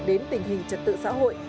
đến tình hình trật tự xã hội